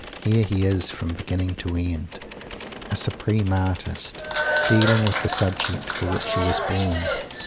Here he is, from beginning to end, a supreme artist; dealing with the subject for which he was born!